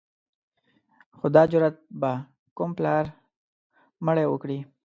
خو دا جرأت به کوم پلار مړی وکړي.